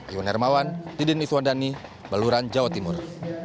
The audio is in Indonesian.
ayun hermawan tidin iswandani baluran jawa timur